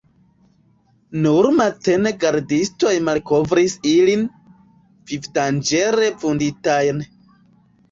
Nur matene gardistoj malkovris ilin, vivdanĝere vunditajn.